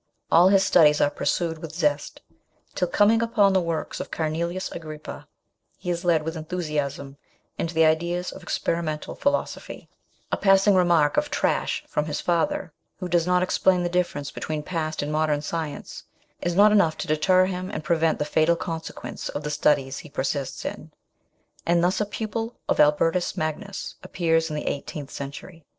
All his studies are pursued with zest, till coming upon the works of Cornelius Agrippa he is led with enthusiasm into the ideas of experimental philo sophy ; a passing remark of " trash " from his father, who does not explain the difference between past and " FRANKENSTEIN:' 103 modern science, is not enough to deter him and pre vent the fatal consequence of the study he persists in, and thus a pupil of Albertus Magnus appears in the eighteenth century.